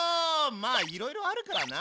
まあいろいろあるからな。